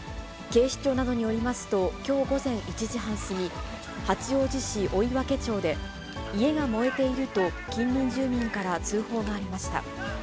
警視庁などによりますと、きょう午前１時半過ぎ、八王子市追分町で、家が燃えていると、近隣住民から通報がありました。